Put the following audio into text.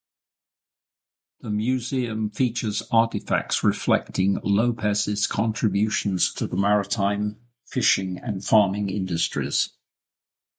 The museum features artifacts reflecting Lopez's contributions to the maritime, fishing and farming industries.